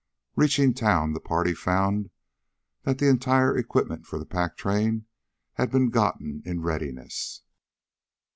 Reaching town the party found that the entire equipment for the pack train had been gotten in readiness.